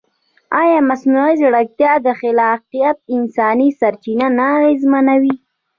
ایا مصنوعي ځیرکتیا د خلاقیت انساني سرچینه نه اغېزمنوي؟